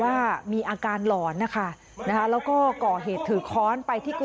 บางตอนก็มีอาการเกลี้ยวกราษต่อว่าพระต่อว่าชาวบ้านที่มายืนล้อมอยู่แบบนี้ค่ะ